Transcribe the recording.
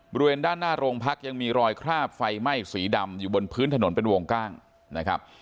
บริเวณด้านหน้าโรงพักยังมีรอยคราบไฟไหม้สีดำอยู่บนพื้นถนนเป็นวงกว้างนะครับ